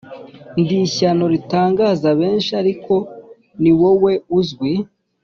Ndi ishyano ritangaza benshi Ariko ni wowe uzwi